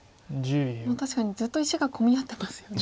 確かにずっと石が混み合ってますよね。